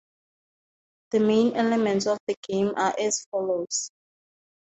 The main elements of the game are as follows.